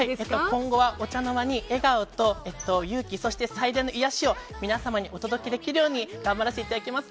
今後はお茶の間に笑顔と勇気、最大の癒やしを皆さんにお届けできるように頑張らさせていただきます。